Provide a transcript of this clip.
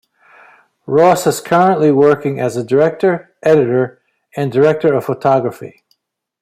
Ross is currently working as a director, editor, and director of photography.